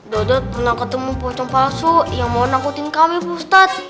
dodot pernah ketemu pocong palsu yang mau nakutin kami ustadz